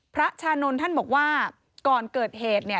ชานนท์ท่านบอกว่าก่อนเกิดเหตุเนี่ย